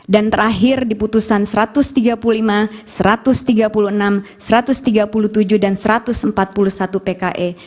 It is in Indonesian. dan terakhir di putusan nomor satu ratus tiga puluh lima satu ratus tiga puluh enam satu ratus tiga puluh tujuh dan satu ratus empat puluh satu pke dkpp